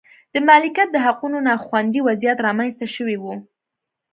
د مالکیت د حقونو نا خوندي وضعیت رامنځته شوی و.